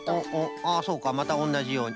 ああそうかまたおんなじように。